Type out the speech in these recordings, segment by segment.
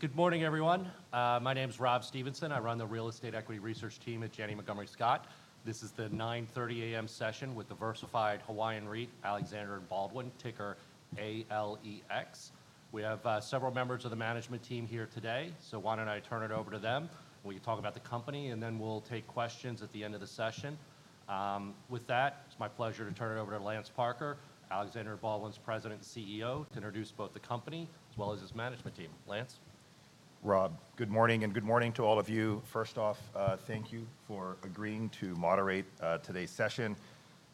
Good morning, everyone. My name is Rob Stevenson. I run the Real Estate Equity Research Team at Janney Montgomery Scott. This is the 9:30 A.M. session with the diversified Hawaiian REIT, Alexander & Baldwin, ticker ALEX. We have several members of the Management Team here today, so why don't I turn it over to them? We can talk about the company, and then we'll take questions at the end of the session. With that, it's my pleasure to turn it over to Lance Parker, Alexander & Baldwin's President and CEO, to introduce both the company as well as his Management Team. Lance? Rob, good morning and good morning to all of you. First off, thank you for agreeing to moderate today's session,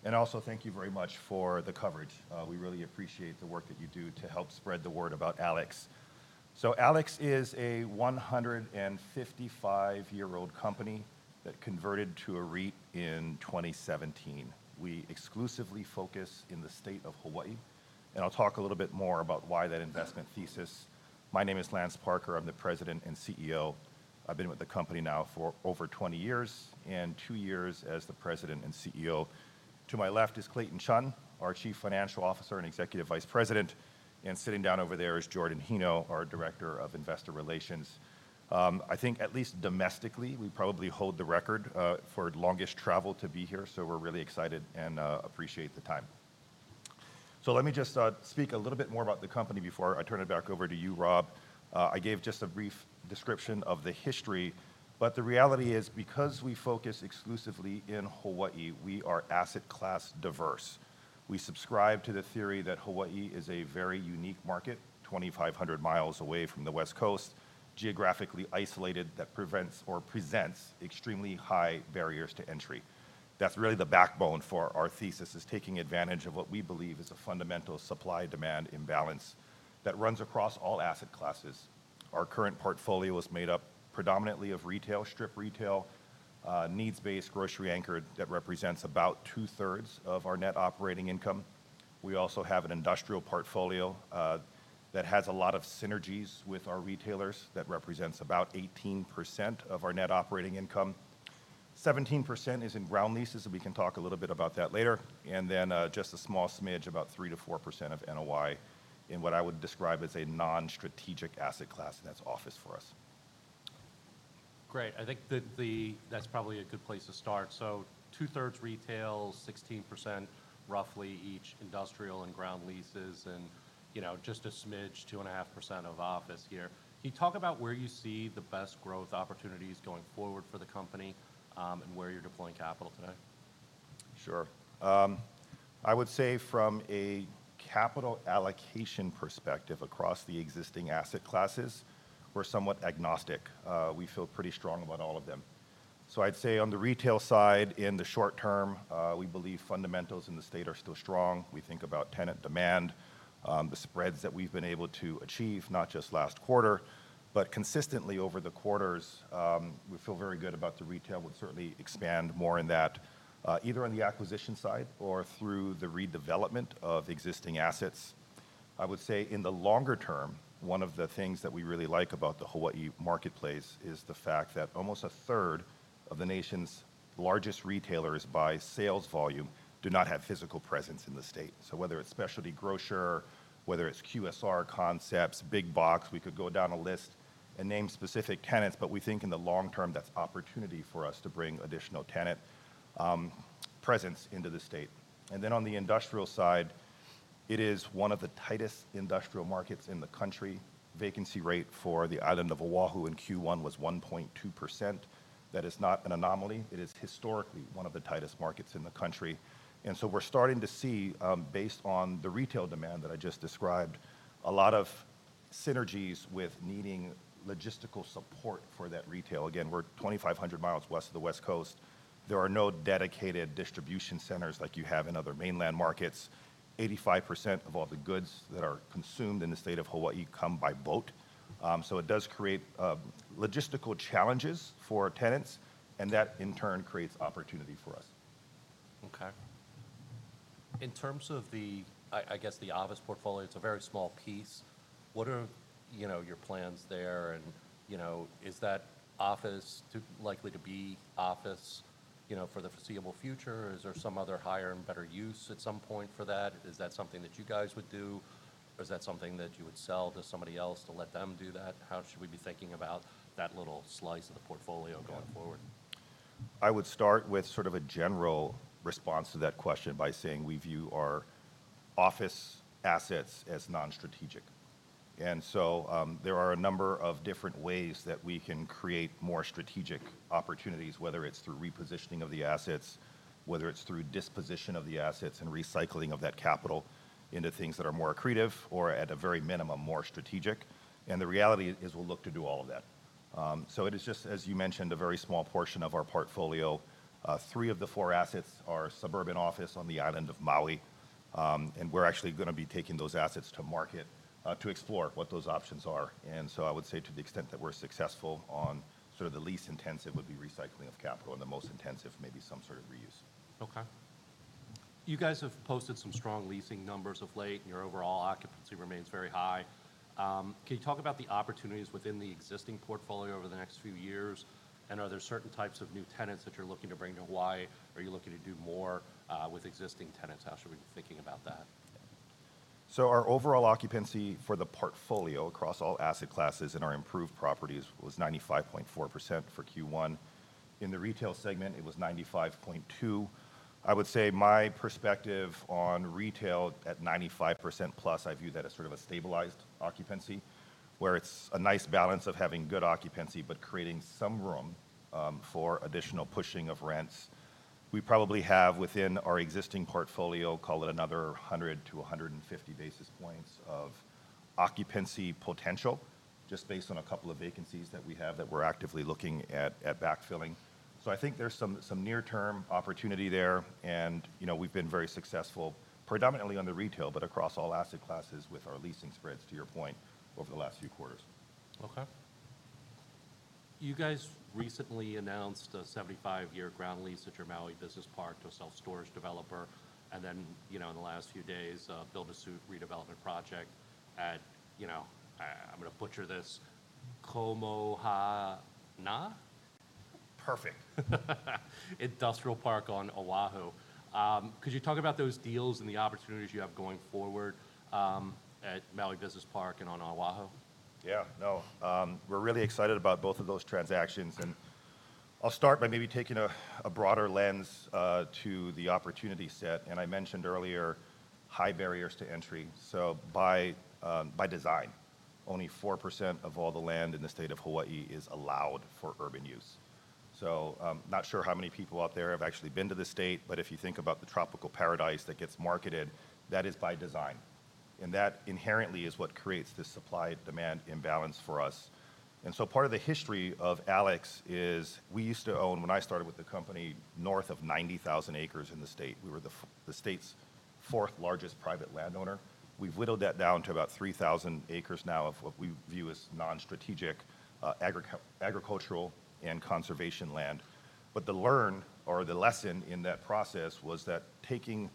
and also thank you very much for the coverage. We really appreciate the work that you do to help spread the word about Alex. So ALEX is a 155-year-old company that converted to a REIT in 2017. We exclusively focus in the state of Hawaii, and I'll talk a little bit more about why that Investment Thesis. My name is Lance Parker. I'm the President and CEO. I've been with the company now for over 20 years and two years as the President and CEO. To my left is Clayton Chun, our Chief Financial Officer and Executive Vice President, and sitting down over there is Jordan Hino, our Director of Investor Relations. I think at least domestically we probably hold the record for the longest travel to be here, so we're really excited and appreciate the time. Let me just speak a little bit more about the company before I turn it back over to you, Rob. I gave just a brief description of the history, but the reality is because we focus exclusively in Hawaii, we are asset class diverse. We subscribe to the theory that Hawaii is a very unique Market, 2,500 miles away from the West Coast, Geographically Isolated that presents extremely high barriers to entry. That's really the backbone for our thesis, is taking advantage of what we believe is a fundamental Supply-demand Imbalance that runs across all Asset Classes. Our current portfolio is made up predominantly of Retail, Strip Retail, Needs-based, Grocery-anchored that represents about two-thirds of our Net Operating Income. We also have an Industrial portfolio that has a lot of synergies with our Retailers that represents about 18% of our Net Operating Income. 17% is in ground leases, and we can talk a little bit about that later, and then just a small smidge, about 3-4% of NOI in what I would describe as a non-Strategic asset class, and that's office for us. Great. I think that's probably a good place to start. Two-thirds Retail, 16% roughly each Industrial and ground Leases, and just a smidge, 2.5% of office here. Can you talk about where you see the best Growth Opportunities going forward for the company and where you're deploying Capital today? Sure. I would say from a Capital Allocation perspective across the existing Asset Classes, we're somewhat agnostic. We feel pretty strong about all of them. I would say on the Retail side, in the short term, we believe fundamentals in the state are still strong. We think about tenant demand, the spreads that we've been able to achieve, not just last quarter, but consistently over the quarters. We feel very good about the Retail. We'll certainly expand more in that, either on the acquisition side or through the redevelopment of existing assets. I would say in the longer term, one of the things that we really like about the Hawaii Marketplace is the fact that almost a third of the Nation's largest Retailers by Sales Volume do not have Physical presence in the State. Whether it is specialty Grocer, whether it is QSR Concepts, BigBox, we could go down a list and name specific tenants, but we think in the long term that is opportunity for us to bring additional tenant presence into the State. On the Industrial side, it is one of the tightest Industrial Markets in the country. Vacancy rate for the Island of O‘ahu in Q1 was 1.2%. That is not an anomaly. It is historically one of the tightest markets in the Country. We are starting to see, based on the Retail demand that I just described, a lot of synergies with needing Logistical support for that Retail. Again, we are 2,500 miles west of the West Coast. There are no dedicated distribution centers like you have in other mainland markets. 85% of all the goods that are consumed in the State of Hawaii come by boat. It does create logistical challenges for tenants, and that in turn creates opportunity for us. Okay. In terms of the, I guess, the office portfolio, it's a very small piece. What are your plans there? Is that office likely to be office for the foreseeable future? Is there some other higher and better use at some point for that? Is that something that you guys would do? Is that something that you would sell to somebody else to let them do that? How should we be thinking about that little slice of the portfolio going forward? I would start with sort of a general response to that question by saying we view our Office Assets as non-strategic. There are a number of different ways that we can create more Strategic opportunities, whether it is through repositioning of the Assets, whether it is through disposition of the Assets and recycling of that Capital into things that are more accretive or, at a very minimum, more Strategic. The reality is we will look to do all of that. It is just, as you mentioned, a very small portion of our portfolio. Three of the four Assets are Suburban Office on the Island of Maui, and we are actually going to be taking those assets to market to explore what those options are. I would say to the extent that we're successful on sort of the least intensive would be recycling of capital and the most intensive maybe some sort of reuse. Okay. You guys have posted some strong leasing numbers of late, and your overall occupancy remains very high. Can you talk about the opportunities within the existing portfolio over the next few years? Are there certain types of new tenants that you're looking to bring to Hawaii? Are you looking to do more with existing tenants? How should we be thinking about that? Our overall occupancy for the portfolio across all Asset Classes in our improved properties was 95.4% for Q1. In the Retail segment, it was 95.2%. I would say my perspective on Retail at 95% plus, I view that as sort of a stabilized occupancy where it is a nice balance of having good occupancy but creating some room for additional pushing of rents. We probably have within our existing portfolio, call it another 100-150 basis points of occupancy potential just based on a couple of vacancies that we have that we are actively looking at backfilling. I think there is some near-term opportunity there, and we have been very successful predominantly on the Retail but across all Asset Classes with our leasing spreads, to your point, over the last few quarters. Okay. You guys recently announced a 75-year ground lease at your Maui Business Park to a self-storage developer, and then in the last few days, build-to-suit Redevelopment Project at, I'm going to butcher this, Komohana. Perfect. Industrial Park on O‘ahu. Could you talk about those deals and the opportunities you have going forward at Maui Business Park and on O‘ahu? Yeah. No, we're really excited about both of those transactions. I'll start by maybe taking a broader lens to the opportunity set. I mentioned earlier high barriers to entry. By design, only 4% of all the land in the state of Hawaii is allowed for urban use. I'm not sure how many people out there have actually been to the State, but if you think about the Tropical Paradise that gets marketed, that is by design. That inherently is what creates this Supply-demand Imbalance for us. Part of the history of ALEX is we used to own, when I started with the company, north of 90,000 acres in the state. We were the state's fourth largest Private Landowner. We've whittled that down to about 3,000 acres now of what we view as non-strategic Agricultural and Conservation land. The learn or the lesson in that process was that taking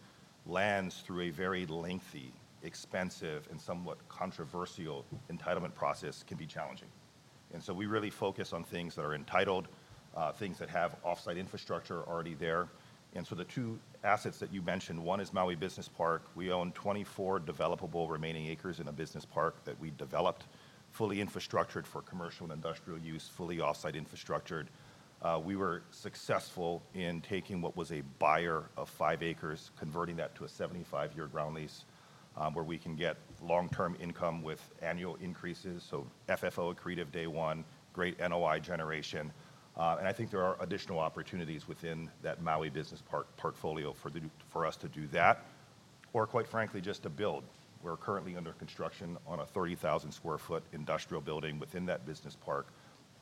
lands through a very lengthy, expensive, and somewhat controversial entitlement process can be challenging. We really focus on things that are entitled, things that have offsite infrastructure already there. The two assets that you mentioned, one is Maui Business Park. We own 24 developable remaining acres in a business park that we developed, fully infrastructured for Commercial and Industrial use, fully offsite infrastructured. We were successful in taking what was a buyer of five acres, converting that to a 75-year ground lease where we can get long-term Income with Annual increases. FFO accretive day one, great NOI generation. I think there are additional opportunities within that Maui Business Park portfolio for us to do that or, quite frankly, just to build. We're currently under construction on a 30,000 sq ft Industrial Building within that Business Park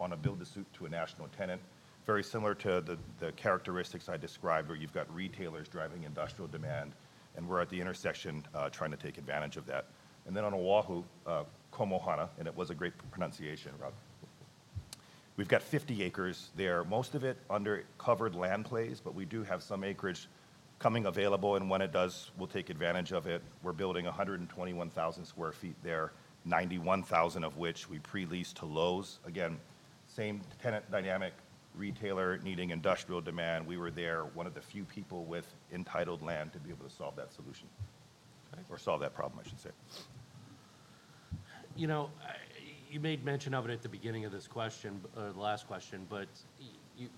on a build-to-suit to a National tenant, very similar to the characteristics I described where you've got Retailers driving Industrial demand, and we're at the intersection trying to take advantage of that. On O‘ahu, Komohana, and it was a great pronunciation, Rob. We've got 50 acres there, most of it under covered land plays, but we do have some acreage coming available, and when it does, we'll take advantage of it. We're building 121,000 sq ft there, 91,000 of which we pre-lease to Lowe's. Again, same tenant dynamic, Retailer needing Industrial demand. We were there, one of the few people with entitled land to be able to solve that solution or solve that problem, I should say. You made mention of it at the beginning of this question, the last question, but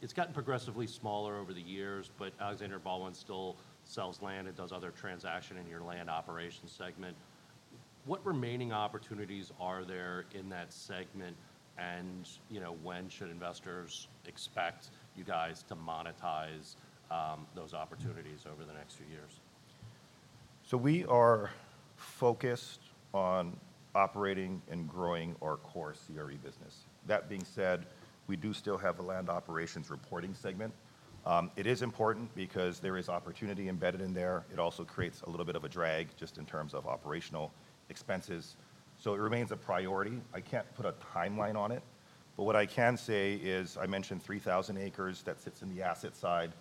it's gotten progressively smaller over the years, but Alexander & Baldwin still sells land and does other transactions in your Land Operation segment. What remaining opportunities are there in that segment, and when should Investors expect you guys to monetize those opportunities over the next few years? We are focused on operating and growing our core CRE business. That being said, we do still have a Land Operations reporting segment. It is important because there is opportunity embedded in there. It also creates a little bit of a drag just in terms of Operational Expenses. It remains a priority. I can't put a timeline on it, but what I can say is I mentioned 3,000 acres that sits in the asset side.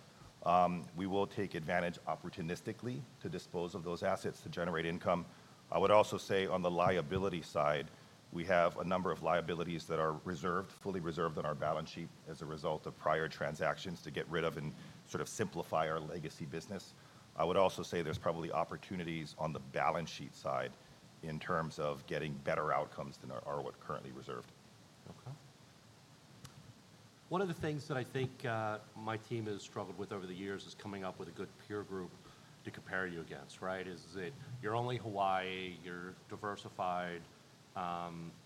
We will take advantage opportunistically to dispose of those Assets to generate Income. I would also say on the liability side, we have a number of liabilities that are reserved, fully reserved on our balance sheet as a result of prior transactions to get rid of and sort of simplify our legacy business. I would also say there's probably opportunities on the Balance Sheet side in terms of getting better outcomes than are what currently reserved. Okay. One of the things that I think my team has struggled with over the years is coming up with a good peer group to compare you against, right? Is that you're only Hawaii, you're diversified.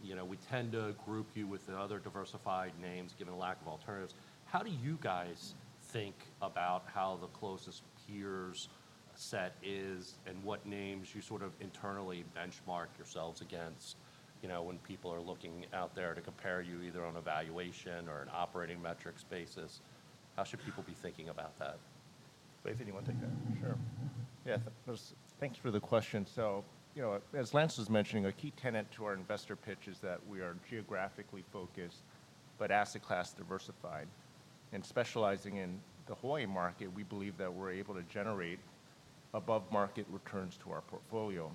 We tend to group you with other diversified names given a lack of alternatives. How do you guys think about how the closest peers set is and what names you sort of internally benchmark yourselves against when people are looking out there to compare you either on evaluation or an Operating metrics basis? How should people be thinking about that? Clayton, you want to take that? Sure. Yeah. Thank you for the question. As Lance was mentioning, a key tenet to our investor pitch is that we are Geographically focused but Asset Class diversified. Specializing in the Hawaii Market, we believe that we're able to generate above-market returns to our portfolio.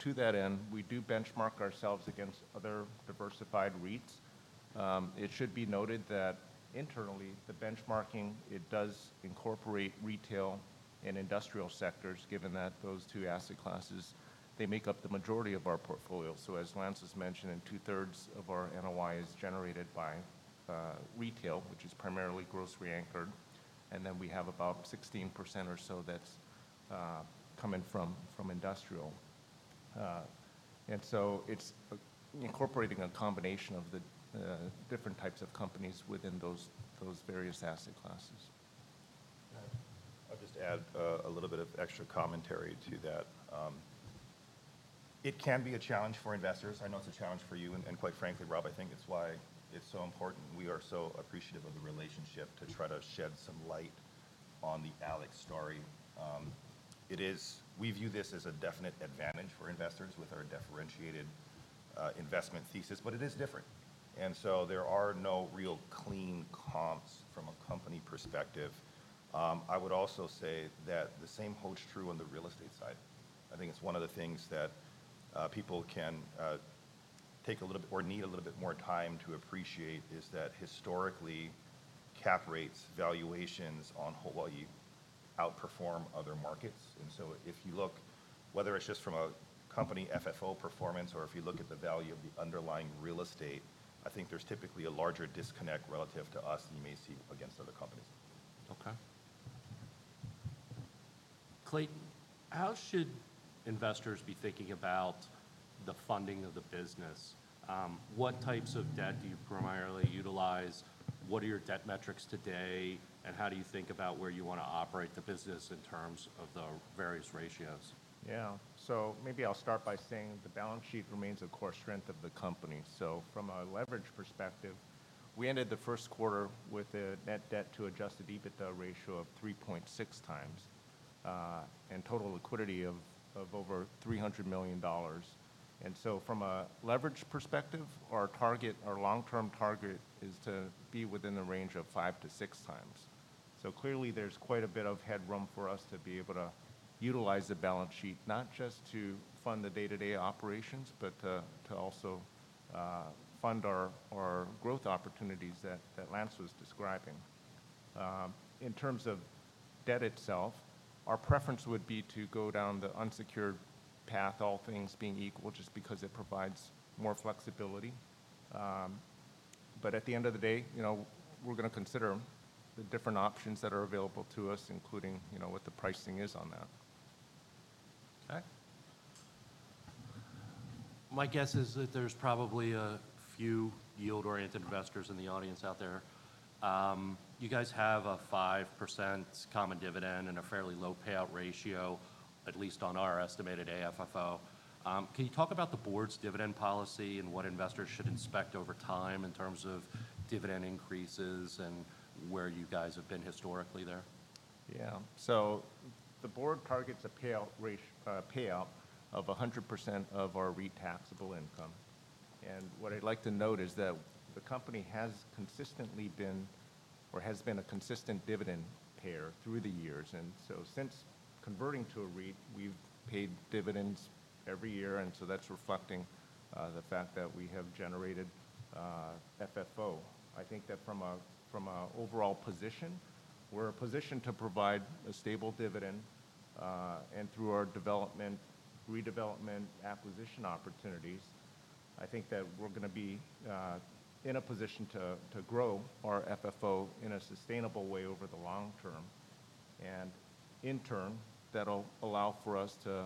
To that end, we do benchmark ourselves against other diversified REITs. It should be noted that internally, the benchmarking does incorporate Retail and Industrial sectors given that those two Asset Classes make up the majority of our portfolio. As Lance was mentioning, two-thirds of our NOI is generated by Retail, which is primarily grocery anchored. We have about 16% or so that's coming from Industrial. It is incorporating a combination of the different types of companies within those various Asset Classes. I'll just add a little bit of extra commentary to that. It can be a challenge for Investors. I know it's a challenge for you. Quite frankly, Rob, I think it's why it's so important we are so appreciative of the relationship to try to shed some light on the ALEX story. We view this as a definite advantage for investors with our differentiated Investment Thesis, but it is different. There are no real clean comps from a company perspective. I would also say that the same holds true on the Real Estate side. I think it's one of the things that people can take a little bit or need a little bit more time to appreciate is that historically, cap rates valuations on Hawaii outperform other markets. If you look, whether it's just from a Company FFO Performance or if you look at the value of the underlying Real Estate, I think there's typically a larger disconnect relative to us than you may see against other companies. Okay. Clayton, how should investors be thinking about the funding of the business? What types of debt do you primarily utilize? What are your Debt metrics today? How do you think about where you want to operate the business in terms of the various ratios? Yeah. Maybe I'll start by saying the Balance Sheet remains a core strength of the company. From a leverage perspective, we ended the first quarter with a net debt to Adjusted EBITDA Ratio of 3.6 times and Total Liquidity of over $300 million. From a Leverage perspective, our target, our long-term target is to be within the range of five to six times. Clearly, there's quite a bit of headroom for us to be able to utilize the Balance Sheet, not just to fund the day-to-day operations, but to also fund our growth opportunities that Lance was describing. In terms of debt itself, our preference would be to go down the unsecured path, all things being equal, just because it provides more flexibility. At the end of the day, we're going to consider the different options that are available to us, including what the pricing is on that. Okay. My guess is that there's probably a few yield-oriented Investors in the audience out there. You guys have a 5% common dividend and a fairly low payout ratio, at least on our estimated AFFO. Can you talk about the Board's dividend policy and what investors should inspect over time in terms of dividend increases and where you guys have been historically there? Yeah. The Board targets a payout of 100% of our REIT Taxable Income. What I'd like to note is that the company has consistently been or has been a consistent dividend payer through the years. Since converting to a REIT, we've paid dividends every year. That's reflecting the fact that we have generated FFO. I think that from an overall position, we're in a position to provide a stable dividend. Through our Development, Redevelopment, Acquisition opportunities, I think that we're going to be in a position to grow our FFO in a sustainable way over the long term. In turn, that'll allow for us to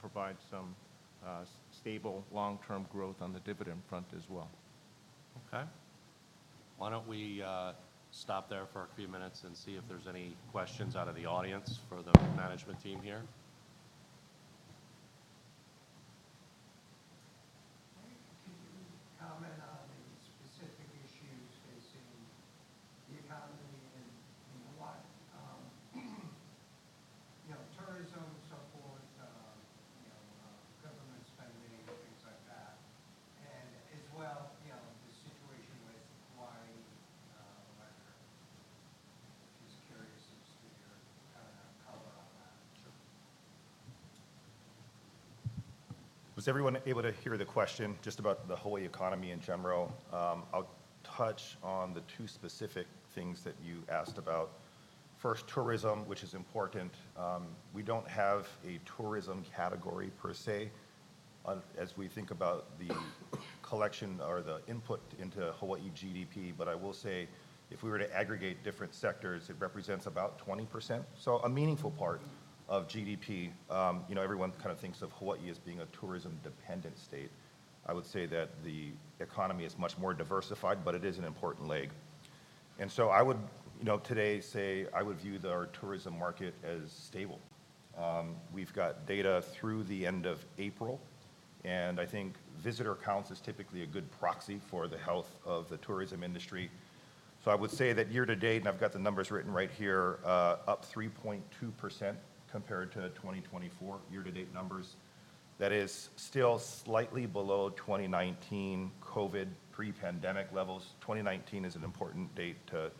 provide some stable long-term growth on the dividend front as well. Okay. Why don't we stop there for a few minutes and see if there's any questions out of the audience for the Management Team here? Can you comment on any specific issues facing the economy in Hawaii? Tourism and so forth, Government spending, things like that. As well, the situation with Hawaii, which is curious to hear kind of a color on that. Was everyone able to hear the question just about the Hawaii Economy in general? I'll touch on the two specific things that you asked about. First, Tourism, which is important. We don't have a tourism category per se as we think about the collection or the input into Hawaii GDP. I will say if we were to aggregate different sectors, it represents about 20%, so a meaningful part of GDP. Everyone kind of thinks of Hawaii as being a Tourism-dependent State. I would say that the Economy is much more diversified, but it is an important leg. I would today say I would view our tourism market as stable. We've got data through the end of April. I think visitor counts is typically a good proxy for the health of the Tourism Industry. I would say that year to date, and I've got the numbers written right here, up 3.2% compared to 2024 year-to-date numbers. That is still slightly below 2019 COVID pre-pandemic levels. 2019 is an important date to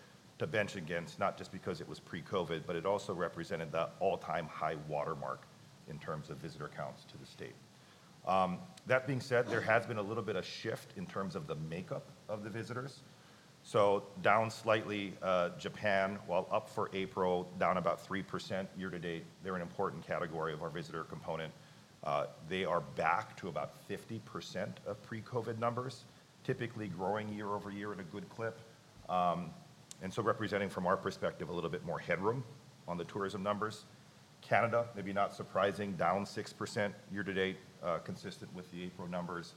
bench against, not just because it was pre-COVID, but it also represented the all-time high watermark in terms of visitor counts to the State. That being said, there has been a little bit of shift in terms of the makeup of the visitors. Down slightly, Japan, while up for April, down about 3% year to date. They're an important category of our visitor component. They are back to about 50% of pre-COVID numbers, typically growing year over year at a good clip. Representing from our perspective a little bit more headroom on the Tourism numbers. Canada, maybe not surprising, down 6% year to date, consistent with the April numbers.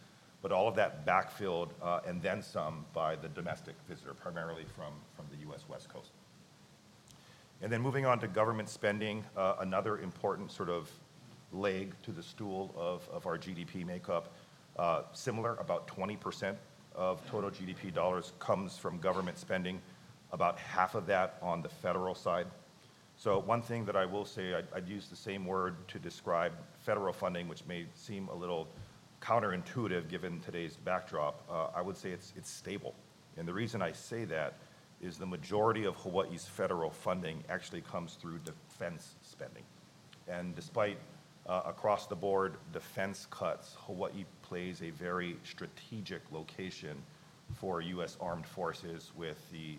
All of that backfilled and then some by the domestic visitor, primarily from the U.S. West Coast. Moving on to Government spending, another important sort of leg to the stool of our GDP makeup. Similar, about 20% of total GDP dollars comes from Government spending, about half of that on the federal side. One thing that I will say, I'd use the same word to describe Federal Funding, which may seem a little counterintuitive given today's backdrop. I would say it's stable. The reason I say that is the majority of Hawaii's Federal Funding actually comes through Defense spending. Despite across the board defense cuts, Hawaii plays a very strategic location for U.S. Armed Forces with the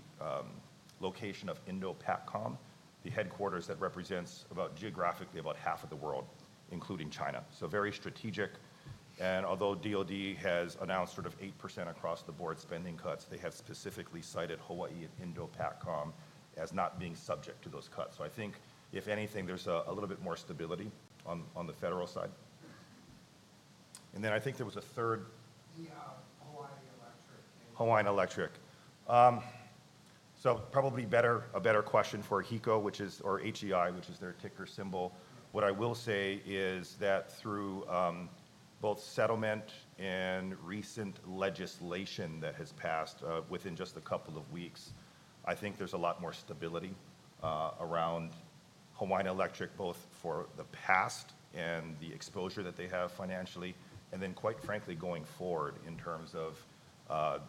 location of INDOPACOM, the headquarters that represents geographically about half of the world, including China. Very strategic. Although DoD has announced sort of 8% across the board spending cuts, they have specifically cited Hawaii and INDOPACOM as not being subject to those cuts. I think if anything, there is a little bit more stability on the federal side. I think there was a third. Hawaiian Electric Industries. Hawaiian Electric. Probably a better question for HECO or HEI, which is their ticker symbol. What I will say is that through both Settlement and recent Legislation that has passed within just a couple of weeks, I think there is a lot more stability around Hawaiian Electric, both for the past and the exposure that they have financially, and then quite frankly, going forward in terms of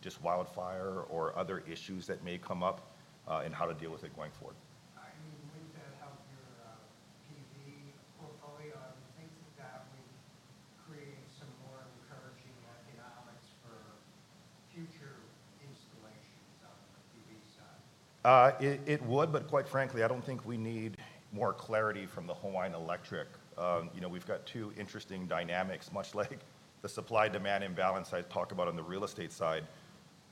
just wildfire or other issues that may come up and how to deal with it going forward. I mean, would that help your PV portfolio? Do you think that that would create some more encouraging Economics for future installations on the PV side? It would, but quite frankly, I do not think we need more clarity from Hawaiian Electric. We have two interesting dynamics, much like the Supply-demand Imbalance I talked about on the Real Estate side.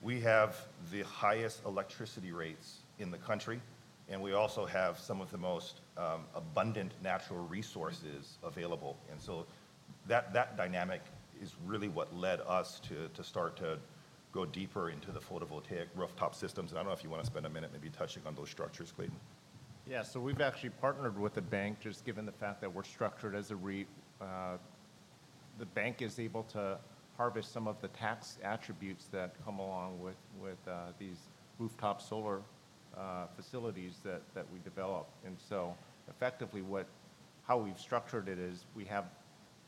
We have the highest electricity rates in the Country, and we also have some of the most abundant Natural Resources available. That dynamic is really what led us to start to go deeper into the photovoltaic rooftop systems. I do not know if you want to spend a minute maybe touching on those structures, Clayton. Yeah. So we've actually partnered with the Bank just given the fact that we're structured as a REIT. The Bank is able to harvest some of the Tax attributes that come along with these rooftop solar facilities that we develop. Effectively, how we've structured it is we have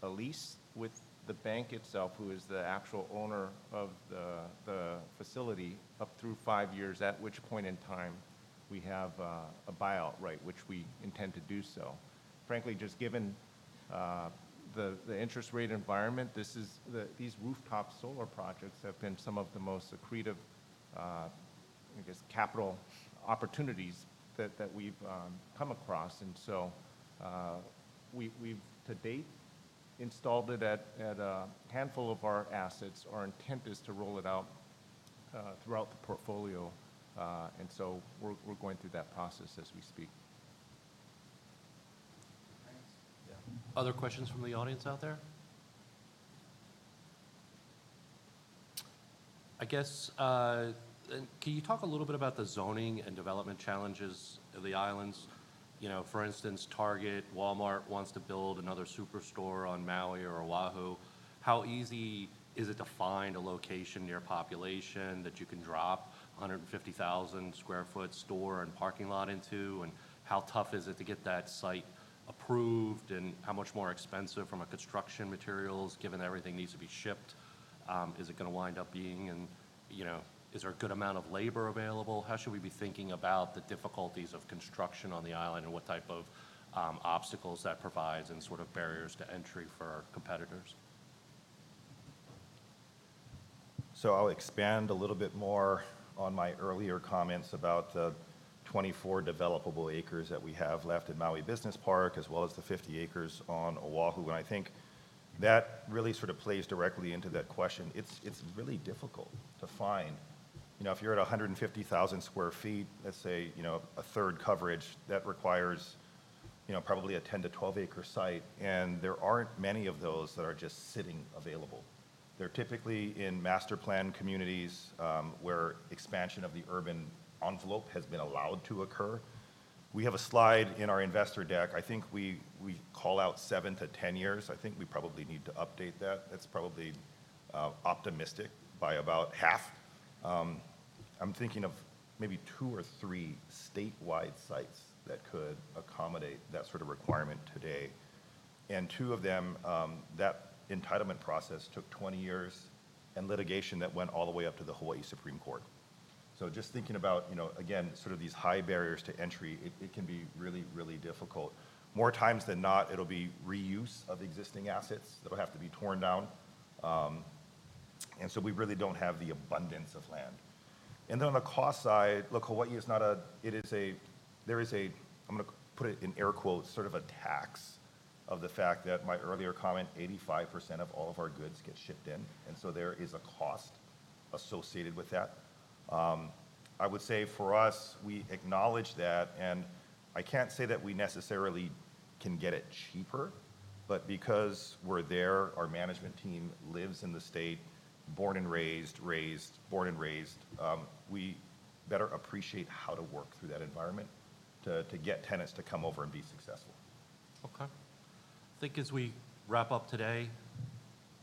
a lease with the Bank itself, who is the actual owner of the Facility, up through five years, at which point in time we have a buyout right, which we intend to do so. Frankly, just given the Interest Rate environment, these Rooftop Solar Projects have been some of the most accretive, I guess, Capital opportunities that we've come across. To date, we've installed it at a handful of our Assets. Our intent is to roll it out throughout the portfolio. We're going through that process as we speak. Thanks. Other questions from the audience out there? I guess, can you talk a little bit about the zoning and development challenges of the Islands? For instance, Target, Walmart wants to build another superstore on Maui or O‘ahu. How easy is it to find a location near population that you can drop a 150,000 sq ft store and parking lot into? How tough is it to get that site approved? How much more expensive from a Construction Materials, given that everything needs to be shipped, is it going to wind up being in? Is there a good amount of labor available? How should we be thinking about the difficulties of construction on the Island and what type of obstacles that provides and sort of barriers to entry for our competitors? I'll expand a little bit more on my earlier comments about the 24 developable acres that we have left at Maui Business Park, as well as the 50 acres on O‘ahu. I think that really sort of plays directly into that question. It's really difficult to find. If you're at 150,000 sq ft, let's say a third coverage, that requires probably a 10-12 acre site. There aren't many of those that are just sitting available. They're typically in master plan communities where expansion of the Urban Envelope has been allowed to occur. We have a slide in our Investor deck. I think we call out 7-10 years. I think we probably need to update that. That's probably optimistic by about half. I'm thinking of maybe two or three statewide sites that could accommodate that sort of requirement today. Two of them, that entitlement process took 20 years and litigation that went all the way up to the Hawaii Supreme Court. Just thinking about, again, sort of these high barriers to entry, it can be really, really difficult. More times than not, it will be reuse of existing Assets that will have to be torn down. We really do not have the abundance of land. On the Cost side, look, Hawaii is not a—it is a—there is a, I am going to put it in air quotes, sort of a tax of the fact that my earlier comment, 85% of all of our goods get shipped in. There is a Cost associated with that. I would say for us, we acknowledge that. I cannot say that we necessarily can get it cheaper. Because we're there, our management team lives in the State, born and raised, we better appreciate how to work through that environment to get tenants to come over and be successful. Okay. I think as we wrap up today,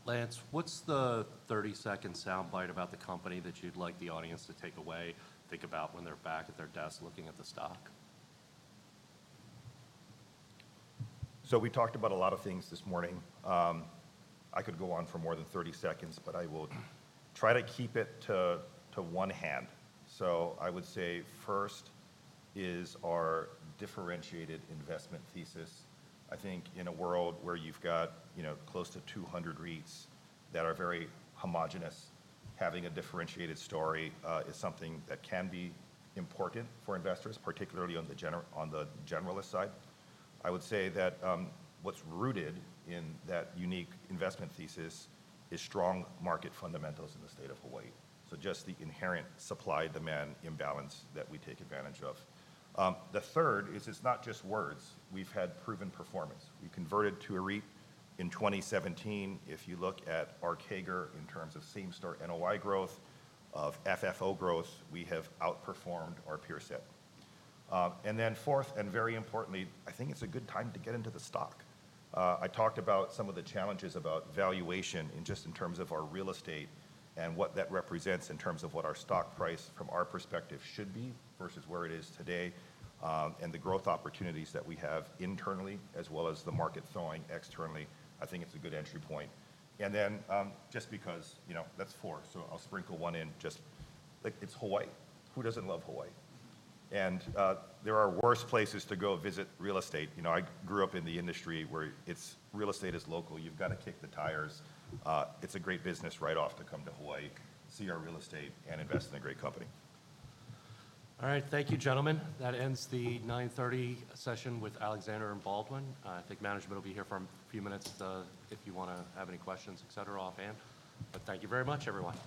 Lance, what's the 30-second soundbite about the company that you'd like the audience to take away, think about when they're back at their desk looking at the stock? We talked about a lot of things this morning. I could go on for more than 30 seconds, but I will try to keep it to one hand. I would say first is our differentiated Investment Thesis. I think in a world where you've got close to 200 REITs that are very homogenous, having a differentiated story is something that can be important for Investors, particularly on the generalist side. I would say that what's rooted in that unique Investment Thesis is strong Market fundamentals in the state of Hawaii. Just the inherent Supply-demand Imbalance that we take advantage of. The third is it's not just words. We've had proven performance. We converted to a REIT in 2017. If you look at our CAGR in terms of same-store NOI growth, of FFO growth, we have outperformed our peer set. Fourth, and very importantly, I think it's a good time to get into the stock. I talked about some of the challenges about valuation just in terms of our Real Estate and what that represents in terms of what our stock price from our perspective should be versus where it is today and the growth opportunities that we have internally as well as the market throwing externally. I think it's a good entry point. Just because that's four, I'll sprinkle one in just like it's Hawaii. Who doesn't love Hawaii? There are worse places to go visit Real Estate. I grew up in the industry where Real Estate is local. You've got to kick the tires. It's a great business right off to come to Hawaii, see our Real Estate, and Invest in a great Company. All right. Thank you, gentlemen. That ends the 9:30 session with Alexander & Baldwin. I think Management will be here for a few minutes if you want to have any questions, et cetera, offhand. But thank you very much, everyone.